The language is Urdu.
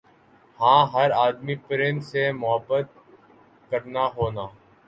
ہاں ہَر آدمی پرند سے محبت کرنا ہونا